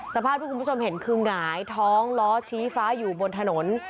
สภาพที่คุณผู้ชมเห็นคือหงายท้องล้อชี้ฟ้าอยู่บนถนน